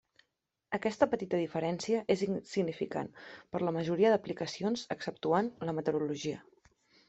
Aquesta petita diferència és insignificant per a la majoria d'aplicacions exceptuant la meteorologia.